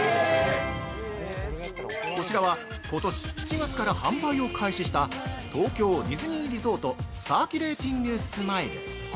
◆こちらは、ことし７月から販売を開始した「東京ディズニーリゾート・サーキュレーティングスマイル」。